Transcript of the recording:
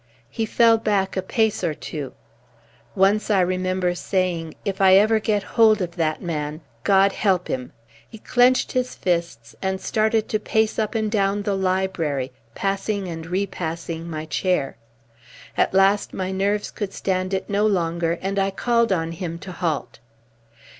He fell back a pace or two. "Once I remember saying: 'If ever I get hold of that man God help him!'" He clenched his fists and started to pace up and down the library, passing and repassing my chair. At last my nerves could stand it no longer and I called on him to halt.